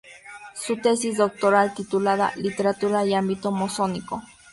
Su tesis doctoral titulada "Literatura y ámbito masónico.